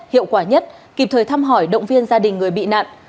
hiệu quả nhất kịp thời thăm hỏi động viên gia đình người bị nạn